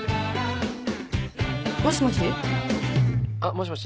もしもし？